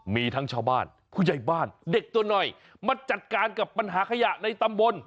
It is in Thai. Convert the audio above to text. มีทั้งชาวบ้านผู้ใหญ่บ้านเด็กตัวหน่อยมาจัดการกับปัญหาขยะในตำบล